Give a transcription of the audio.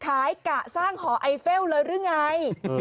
ขายกระสร้างหอไอเฟลร์เลยหรือไง